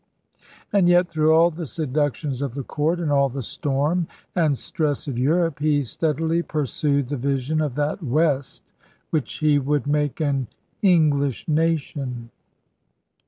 And yet, through all the seductions of the Court and all the storm and stress of Europe, he steadily pursued the vision of that West which he would make 'an Inglishe nation.'